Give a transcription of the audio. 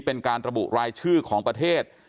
เป็นการระบุรายชื่อของประเทศ